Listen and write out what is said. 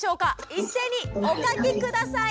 一斉にお書き下さい。